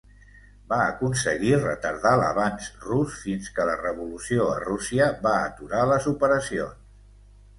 Va aconseguir retardar l'avanç rus fins que la revolució a Rússia va aturar les operacions.